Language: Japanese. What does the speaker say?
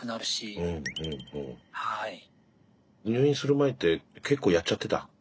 入院する前って結構やっちゃってた？